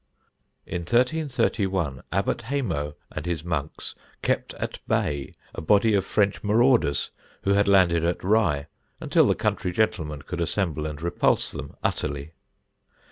In 1331, Abbot Hamo and his monks kept at bay a body of French marauders, who had landed at Rye, until the country gentlemen could assemble and repulse them utterly.